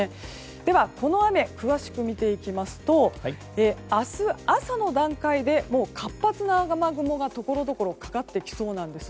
では、この雨詳しく見ていきますと明日朝の段階でもう活発な雨雲がところどころにかかってきそうなんです。